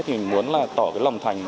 thì mình muốn là tỏ cái lòng thành